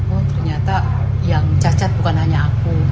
oh ternyata yang cacat bukan hanya aku